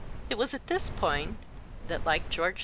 It was at this point that, like George IV.